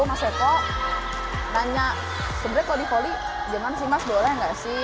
mas eko nanya sebenernya kalau di voli jangan sih mas boleh gak sih